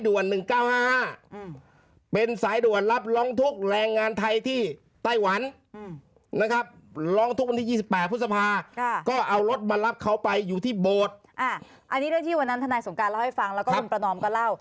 อันนี้เรื่องที่วันนั้นทนายสงการเล่าให้ฟังแล้วก็คุณประนอมก็เล่า